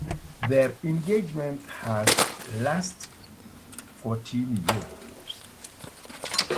Their "engagement" had lasted fourteen years.